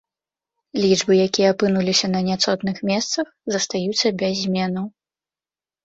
Лічбы, якія апынуліся на няцотных месцах, застаюцца без зменаў.